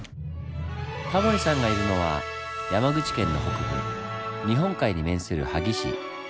タモリさんがいるのは山口県の北部日本海に面する萩市。